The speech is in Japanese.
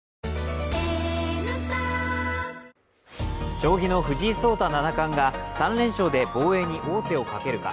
将棋の藤井聡太七冠が３連勝で防衛に王手をかけるか。